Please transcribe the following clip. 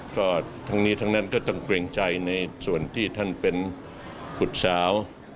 ก็ทั้งนี้ทั้งนั้นก็ต้องเกรงใจในส่วนที่ท่านเป็นบุตรสาว